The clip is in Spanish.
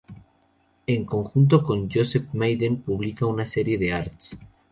En conjunto con Joseph Maiden publica una serie de arts.